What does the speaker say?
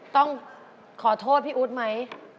ต้องขอโทษพี่อุ๊ดไหม